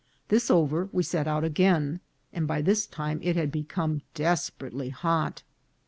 This over, we set out again, and by this time it had become desperately hot.